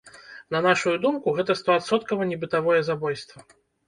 На нашу думку, гэта стоадсоткава не бытавое забойства.